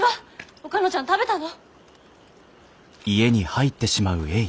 おかのちゃん食べたの？